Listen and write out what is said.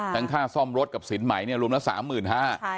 ทั้งค่าซ่อมรถกับสินใหม่รวมละ๓๕๐๐๐บาท